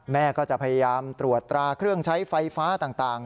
แม่ก็จะพยายามตรวจตราเครื่องใช้ไฟฟ้าต่าง